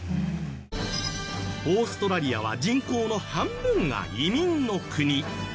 オーストラリアは人口の半分が移民の国。